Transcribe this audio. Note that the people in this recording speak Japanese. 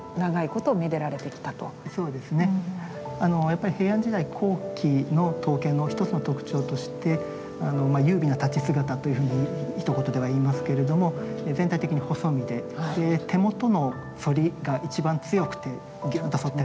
やっぱり平安時代後期の刀剣の一つの特徴として優美な太刀姿というふうにひと言では言いますけれども全体的に細身で手元の反りが一番強くてギュッと反ってるんですね。